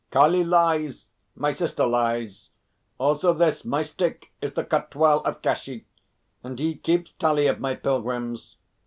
"Kali lies. My sister lies. Also this my stick is the Kotwal of Kashi, and he keeps tally of my pilgrims.